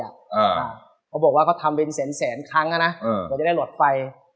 เขาบอกว่าเขาทำเป็นแสนครั้งนะก็จะได้หลอดไฟ